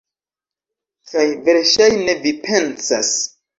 Kaj verŝajne vi pensas: